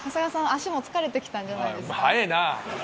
足も疲れてきたんじゃないですか？